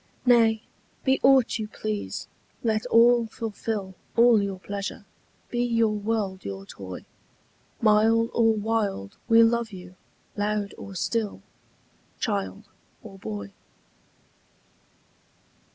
Nay, be aught you please, let all fulfil All your pleasure; be your world your toy: Mild or wild we love you, loud or still, Child or boy.